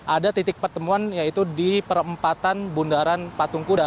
ada titik pertemuan yaitu di perempatan bundaran patung kuda